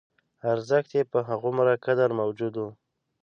ارزښت یې په همغومره قدر موجود و.